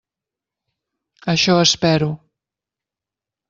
Això espero.